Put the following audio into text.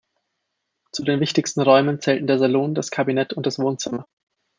Zu den wichtigsten Räumen zählten der Salon, das Kabinett und das Wohnzimmer.